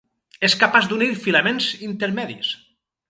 És capaç d'unir filaments intermedis.